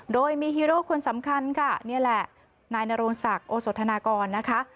โดยมีฮีโร่คนสำคัญค่ะนี่แหละนายนโรงศักดิ์โอสธนากรนะคะ